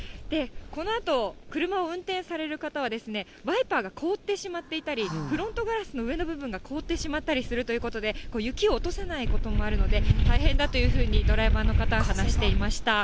このあと、車を運転される方はワイパーが凍ってしまっていたり、フロントガラスの上の部分が凍ってしまったりするということで、雪を落とさないこともあるので、大変だというふうに、ドライバーの方は話していました。